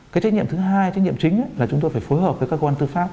cái trách nhiệm thứ hai trách nhiệm chính là chúng tôi phải phối hợp với cơ quan tư pháp